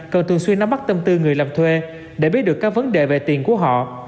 cần thường xuyên nắm bắt tâm tư người làm thuê để biết được các vấn đề về tiền của họ